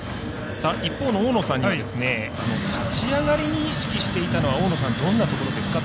一方の大野さんには立ち上がりに意識していたのは大野さん、どんなところですか？